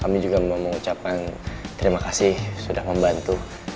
kami juga mengucapkan terima kasih sudah membantu